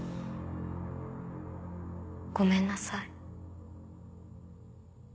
ごめんなさい。